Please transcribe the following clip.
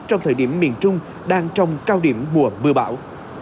trong thời điểm miền trung đang trong cao điểm mùa mưa bão